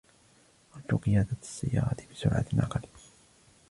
أرجو قيادة السيارة بسرعة أقل.